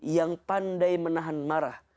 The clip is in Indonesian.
yang pandai menahan marah